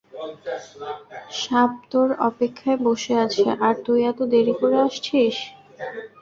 সাপ তোর অপেক্ষায় বসে আছে আর তুই এত দেরি করে আসছিস!